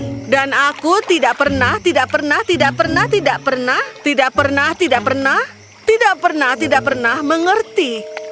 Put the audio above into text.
dan aku tidak pernah tidak pernah tidak pernah tidak pernah tidak pernah tidak pernah tidak pernah tidak pernah tidak pernah tidak pernah mengerti